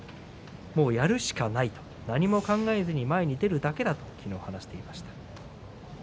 もうやるしかないと何も考えずに前に出るだけだと話していました。